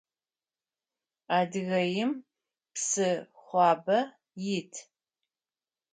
Адыгеим псыхъуабэ ит.